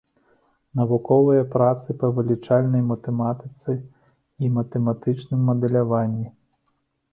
Навуковыя працы па вылічальнай матэматыцы і матэматычным мадэляванні.